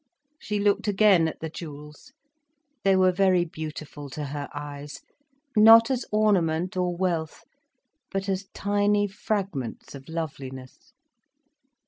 She looked again at the jewels. They were very beautiful to her eyes—not as ornament, or wealth, but as tiny fragments of loveliness.